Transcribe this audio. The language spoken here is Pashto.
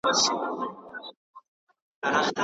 خو په ځینو هېوادونو کې لا هم جنسیتي تبعیض شته.